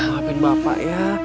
maafkan bapak ya